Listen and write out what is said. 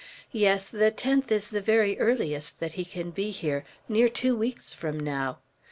Yes, the 10th is the very earliest that he can be here, near two weeks from now.